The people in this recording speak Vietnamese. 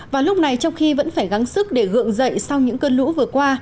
và lúc này trong khi vẫn phải gắn sức để gượng dậy sau những cơn lũ vừa qua